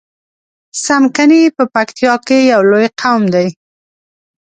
څمکني په پکتیا کی یو لوی قوم دی